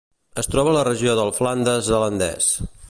Es troba a la regió del Flandes zelandès.